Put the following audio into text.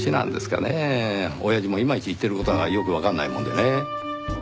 親父もイマイチ言ってる事がよくわかんないもんでね。